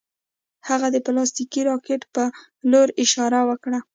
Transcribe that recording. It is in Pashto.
هغه د پلاستیکي راکټ په لور اشاره وکړه